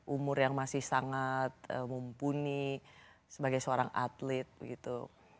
umur yang masih sangat mumpuni sebagai seorang atlet begitu